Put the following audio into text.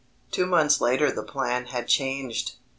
Two months later the plan had changed.